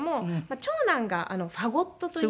長男がファゴットという。